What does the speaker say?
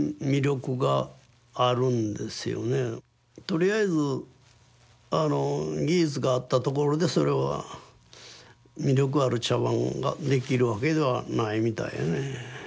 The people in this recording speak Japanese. とりあえず技術があったところでそれは魅力ある茶碗ができるわけではないみたいやね。